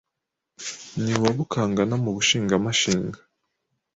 N'iwa Bukangana mu Bushingamashinga